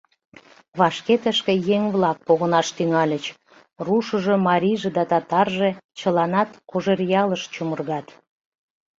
Вашке тышке еҥ-влак погынаш тӱҥальыч, рушыжо, марийже да татарже — чыланат Кожеръялыш чумыргат.